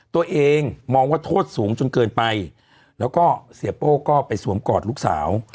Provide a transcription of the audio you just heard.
ตัวเองมองว่าโทษสูงจนเกินไปแล้วก็เสียโป้ก็ไปสวมกอดลูกสาว